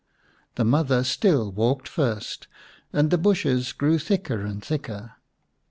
The mother still walked first, and the bushes grew thicker and thicker.